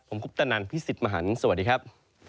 ผมคุปตะนันพี่สิทธิ์มหันฯสวัสดีครับ